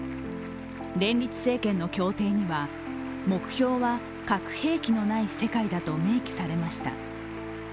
連立政権の協定には目標は核兵器のない世界だと明記されました。